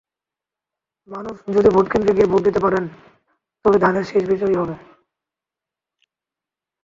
মানুষ যদি ভোটকেন্দ্রে গিয়ে ভোট দিতে পারেন, তবে ধানের শীষ বিজয়ী হবে।